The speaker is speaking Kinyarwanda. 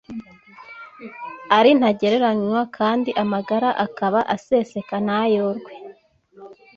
ari ntagereranywa kandi amagara akaba aseseka ntayorwe.